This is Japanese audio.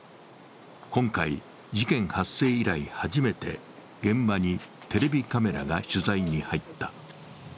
今回、事件発生以来初めて現場にテレビカメラが取材に入った。